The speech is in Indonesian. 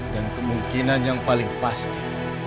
yang kemungkinan yang paling pasti